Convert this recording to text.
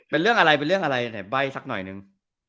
เป็นเรื่องอะไรในใบ้สักหน่อยนึง